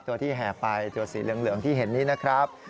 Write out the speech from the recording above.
ตัวที่แห่ไปตัวสีเหลืองที่เห็นนี้นะครับ